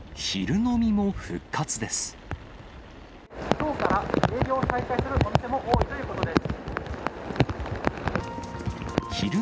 きょうから営業再開しているお店も多いということです。